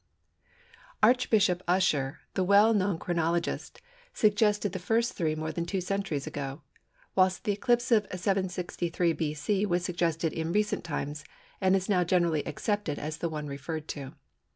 C. Archbishop Usher, the well known chronologist, suggested the first three more than two centuries ago, whilst the eclipse of 763 B.C. was suggested in recent times and is now generally accepted as the one referred to.